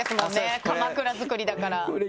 かまくら作りだから。